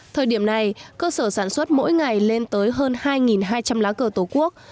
thời điểm này cơ sở sản xuất mỗi ngày lên tới hơn hai hai trăm linh lá cờ tổ quốc